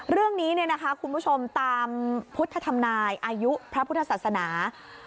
เรื่องนี้คุณผู้ชมตามพุทธธรรมนายอายุพระพุทธศาสนา